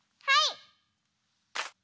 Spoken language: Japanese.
はい！